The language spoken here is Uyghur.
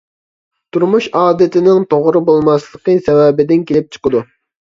تۇرمۇش ئادىتىنىڭ توغرا بولماسلىقى سەۋەبىدىن كېلىپ چىقىدۇ.